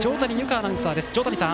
アナウンサーです。